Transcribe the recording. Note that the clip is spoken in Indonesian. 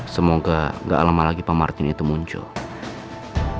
semoga gak lama lagi pemartin itu muncul